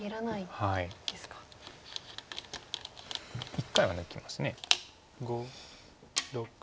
一回は抜きます。